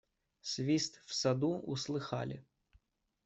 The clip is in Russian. Свист в саду услыхали.